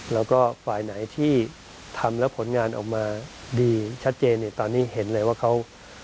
แล้วก็ฝ่ายไหนที่ทำแล้วผลงานออกมาดีชัดเจนเนี่ยตอนนี้เห็นเลยว่าเขา